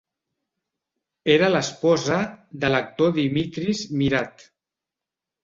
Era l'esposa de l'actor Dimitris Myrat.